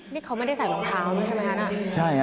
นี่เขาไม่ได้ใส่รองเท้าด้วยใช่ไหมคะ